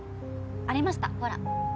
ありましたほら。